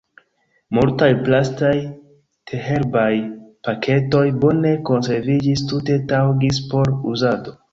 Multaj plastaj teherbaj paketoj bone konserviĝis, tute taŭgis por uzado.